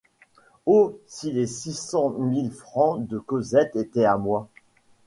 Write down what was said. Oh! si les six cent mille francs de Cosette étaient à moi...